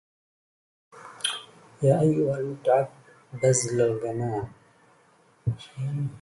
يا أيها المتعب بزل الجمال